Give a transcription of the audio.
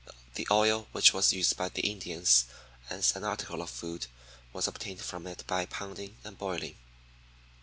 The oil, which was used by the Indians as an article of food, was obtained from it by pounding and boiling.